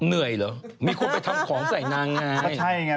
เหนื่อยเหรอไม่ควรไปทำของใส่นางไง